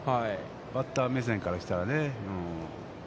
バッター目線からしたらね。